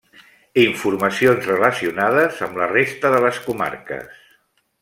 Informacions relacionades amb la resta de les comarques.